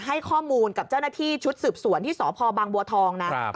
ให้ข้อมูลกับเจ้าหน้าที่ชุดสืบสวนที่สพบางบัวทองนะ